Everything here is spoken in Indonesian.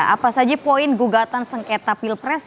apa saja poin gugatan sengketa pilpres